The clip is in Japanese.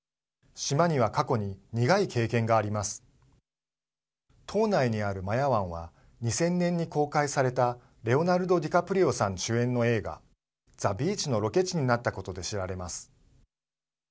島内にあるマヤ湾は２０００年に公開されたレオナルド・ディカプリオさん主演の映画ザ・ビーチのロケ地になったことで知られます。